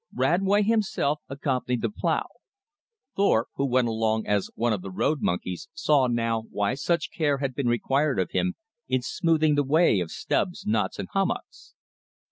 Radway himself accompanied the plow. Thorpe, who went along as one of the "road monkeys," saw now why such care had been required of him in smoothing the way of stubs, knots, and hummocks.